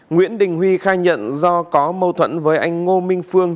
nguyễn đình huy khai nhận do có mâu thuẫn với anh ngô minh phương